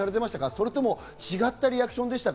それとも違ったリアクションでしたか？